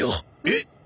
えっ？